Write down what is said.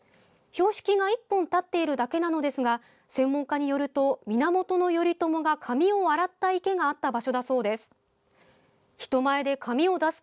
標識が１本立っているだけなのですが専門家によると源頼朝が髪を洗った池があった場所だそうです。